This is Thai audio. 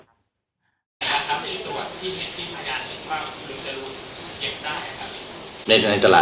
ที่เห็นที่พยายามสุดข้างคุณจะรู้เก็บได้หรือครับ